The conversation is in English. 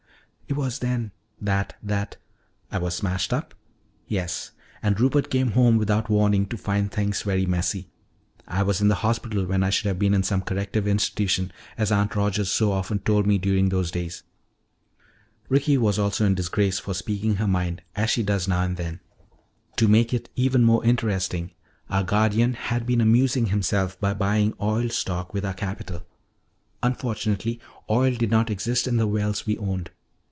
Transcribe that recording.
"It was then that that " "I was smashed up? Yes. And Rupert came home without warning to find things very messy. I was in the hospital when I should have been in some corrective institution, as Aunt Rogers so often told me during those days. Ricky was also in disgrace for speaking her mind, as she does now and then. To make it even more interesting, our guardian had been amusing himself by buying oil stock with our capital. Unfortunately, oil did not exist in the wells we owned.